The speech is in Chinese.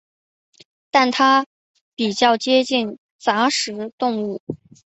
但它们比较接近杂食动物。